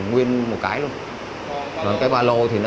mình đưa ra các nón bảo hiểm